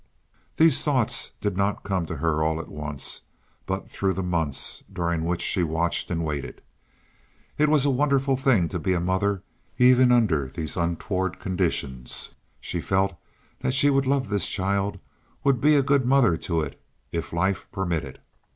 These thoughts did not come to her all at once, but through the months during which she watched and waited. It was a wonderful thing to be a mother, even under these untoward conditions. She felt that she would love this child, would be a good mother to it if life permitted.